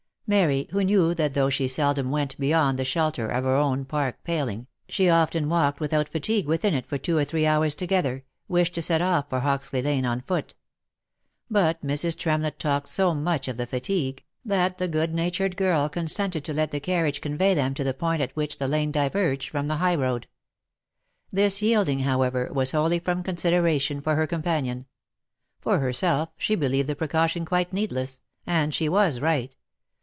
Mary, who knew, that though she seldom went beyond the shelter of her own park paling, she often walked without fatigue ■within it for two or three hours together, wished to set off for Hoxley lane on foot ; but Mrs. Tremlett talked so much of the fatigue, that the good natured girl consented to let the carriage convey them to the point at which the lane diverged from the high road. This yielding, however, was wholly from consideration for her companion. For herself she believed the precaution quite needless ; and she was right.